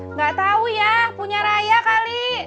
nggak tahu ya punya raya kali